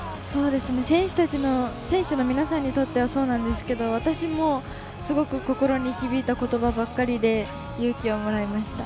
選手たちの皆さんにとってはそうなんですけど、私もすごく心に響いた言葉ばっかりで勇気をもらいました。